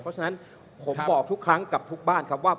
เพราะฉะนั้นผมบอกทุกครั้งกับทุกบ้านครับว่า